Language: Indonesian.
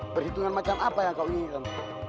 perhitungan macam apa yang kau inginkan